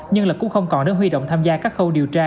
nhân lực cũng không còn để huy động tham gia các khâu điều tra